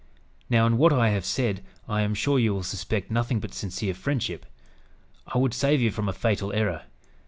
"Now in what I have said, I am sure you will suspect nothing but sincere friendship. I would save you from a fatal error.